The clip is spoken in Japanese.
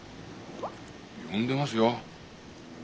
呼んでますよ。